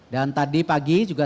dan tadi pagi juga